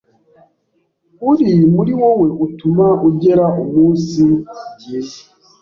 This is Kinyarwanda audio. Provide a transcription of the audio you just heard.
uri muri wowe utuma ugera umunsi byiza.